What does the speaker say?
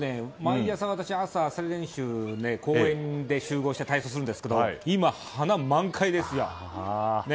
朝、練習を公園で集合して体操するんですけど花、満開ですよ。